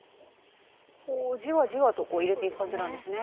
こうじわじわと入れていく感じなんですね。